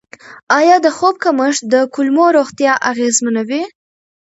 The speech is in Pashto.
آیا د خوب کمښت د کولمو روغتیا اغېزمنوي؟